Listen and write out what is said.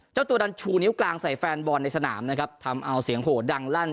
เจ้าตัวดันชูนิ้วกลางใส่แฟนบอลในสนามนะครับทำเอาเสียงโหดังลั่น